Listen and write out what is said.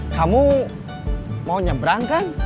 kamu mau nyebrang kan